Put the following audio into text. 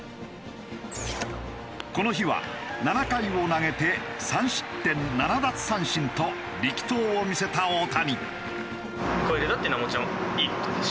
この日は７回を投げて３失点７奪三振と力投を見せた大谷。